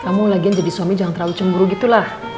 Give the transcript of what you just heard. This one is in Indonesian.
kamu lagian jadi suami jangan terlalu cemburu gitu lah